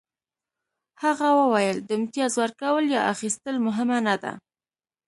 هغه وویل د امتیاز ورکول یا اخیستل مهمه نه ده